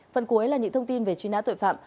phần cuối là những thông tin về truy nã tội phạm